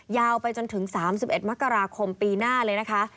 ยาวไปจนถึง๓๑มกราคมปีหน้าเลยนะคะ